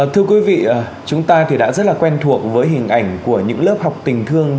thưa quý vị chúng ta thì đã rất là quen thuộc với hình ảnh của những lớp học tình thương